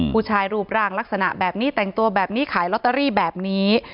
ผู้ชายรูปร่างลักษณะแบบนี้แต่งตัวแบบนี้ขายลอตเตอรี่แบบนี้